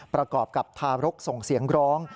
ประกอบกับทารกส่งเสียงร้อง